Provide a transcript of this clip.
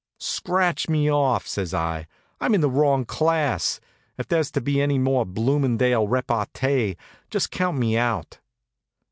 "Scratch me off," says I. "I'm in the wrong class. If there's to be any more Bloomingdale repartee, just count me out."